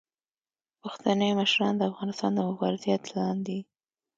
پښتني مشران د افغانستان د مبارزې اتلان دي.